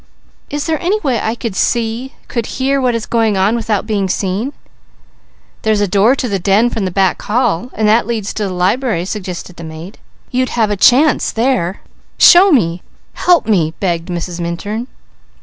"Is there any way I could see, could hear, what is going on, without being seen?" "There's a door to the den from the back hall, and that leads to the library," suggested the maid. "Show me! Help me!" begged Mrs. Minturn.